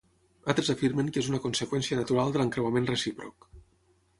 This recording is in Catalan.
Altres afirmen que és una conseqüència natural de l'encreuament recíproc.